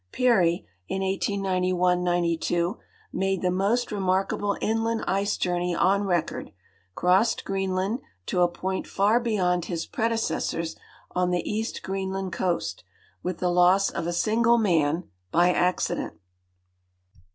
Peary, in 189l '92, made the most remarkable inland ice journey on record, crossed Greenland to a j)oint far beyond his predecessors on the east Greenland coast, with the loss of a single man, V)y accident.